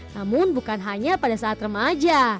namun bukan hanya pada saat remaja